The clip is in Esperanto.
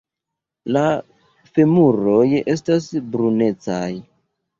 La femuroj estas brunecaj.